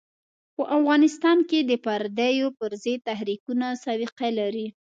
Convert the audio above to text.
په افغانستان کې د پردیو پر ضد تحریکونه سابقه لري.